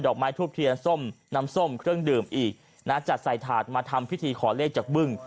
ไม้ทูบเทียนส้มน้ำส้มเครื่องดื่มอีกนะจัดใส่ถาดมาทำพิธีขอเลขจากบึ้ง